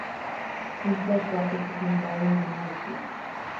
El flashback está centrado en Ana Lucía.